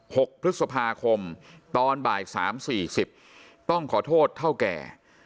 หกพฤษภาคมตอนบ่ายสามสี่สิบต้องขอโทษเท่าแก่